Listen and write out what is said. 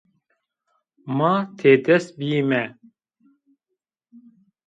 Ma têdest bîyîme